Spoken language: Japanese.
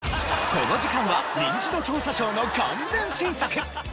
この時間は『ニンチド調査ショー』の完全新作。